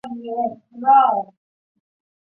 之后甚至将商那和修改成是末田底迦弟子。